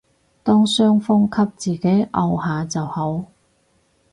當傷風咳自己漚下就好